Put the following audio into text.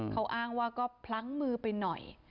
เขาอ้างว่าก็พลั้งมือไปหน่อย